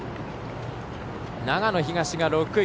長野東が６位。